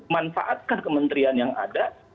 manfaatkan kementerian yang ada